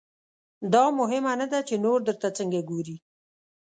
دا مهمه نه ده چې نور درته څنګه ګوري.